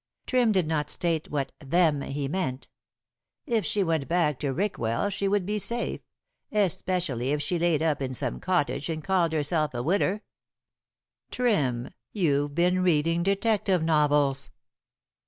Trim did not state what "them" he meant. "If she went back to Rickwell she would be safe, especially if she laid up in some cottage and called herself a widder." "Trim, you've been reading detective novels!"